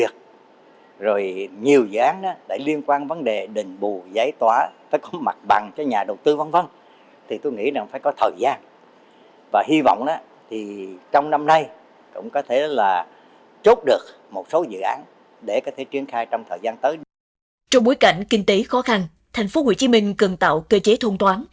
trong bối cảnh kinh tế khó khăn tp hcm cần tạo cơ chế thông toán